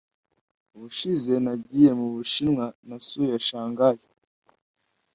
Ubushize nagiye mu Bushinwa, nasuye Shanghai.